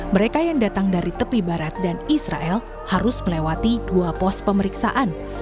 mereka yang datang dari tepi barat dan israel harus melewati dua pos pemeriksaan